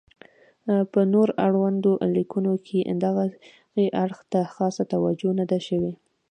په نور اړوندو لیکنو کې دغې اړخ ته خاصه توجه نه ده شوې.